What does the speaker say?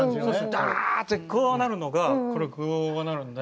ダーッてこうなるのがこれをこうなるんで。